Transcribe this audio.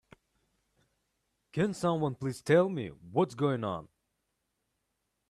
Can someone please tell me what's going on?